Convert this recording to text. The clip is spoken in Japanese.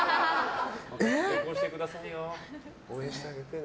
えっ？応援してあげてね。